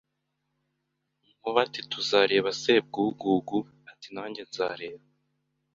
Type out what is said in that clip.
Nkuba ati Tuzarebe Sebwugugu ati Na njye nzareba